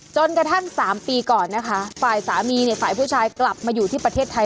จนกระทั่ง๓ปีก่อนนะคะฝ่ายสามีเนี่ยฝ่ายผู้ชายกลับมาอยู่ที่ประเทศไทย